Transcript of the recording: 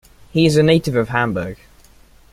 He is a native of Hamburg.